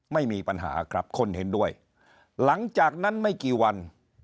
ไม่มีปัญหาครับคนเห็นด้วยหลังจากนั้นไม่กี่วัน